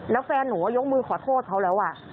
แล้วแฟนหนูยกมือขอโทษเขาแล้ว